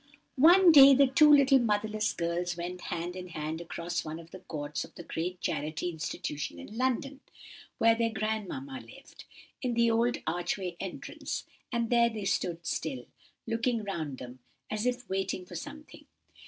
One day the two little motherless girls went hand in hand across one of the courts of the great Charity Institution in London, where their grandmamma lived, into the old archway entrance, and there they stood still, looking round them, as if waiting for something.